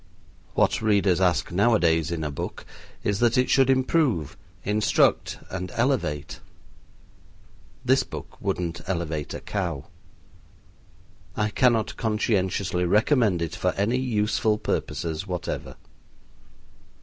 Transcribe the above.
What readers ask nowadays in a book is that it should improve, instruct, and elevate. This book wouldn't elevate a cow. I cannot conscientiously recommend it for any useful purposes whatever.